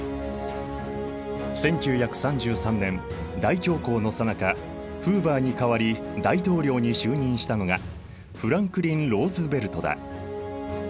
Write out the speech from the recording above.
１９３３年大恐慌のさなかフーヴァーに代わり大統領に就任したのがフランクリン・ローズヴェルトだ。